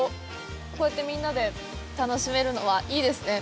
こうやってみんなで楽しめるのはいいですね。